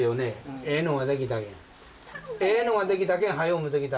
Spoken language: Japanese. ええのが出来たけん、はよ持ってきた。